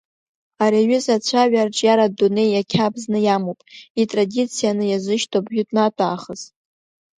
Ари аҩыза ацәаҩа арҿиаратә дунеи иақьабзны иамоуп, итрадицианы иазышьҭоуп жәытә-натә аахыс.